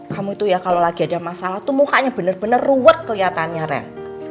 kamu itu ya kalau lagi ada masalah tuh mukanya bener bener ruwet kelihatannya ren